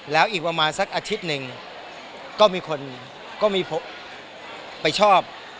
แล้วอีกประมาณสักอาทิตย์หนึ่งก็มีคนก็มีไปชอบ